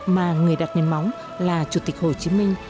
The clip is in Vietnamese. mà người đặt nền móng là chủ tịch hồ chí minh